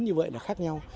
như vậy là khác nhau